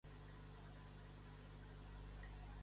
Disculpi, agent —respon el Manel, amb un somriure murri—.